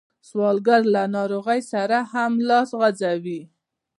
سوالګر له ناروغۍ سره هم لاس غځوي